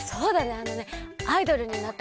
あのねアイドルになったつもりで。